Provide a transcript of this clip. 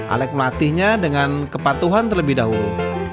alec melatihnya dengan kepatuhan terlebih dahulu